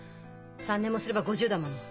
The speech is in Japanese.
３年もすれば５０だもの。